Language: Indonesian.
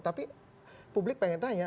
tapi publik ingin tanya